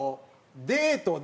デートで。